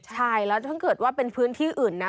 ใช่แล้วถ้าเกิดว่าเป็นพื้นที่อื่นนะ